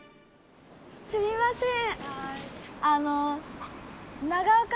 すみません。